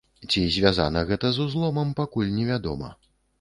Ці звязана гэта з узломам, пакуль невядома.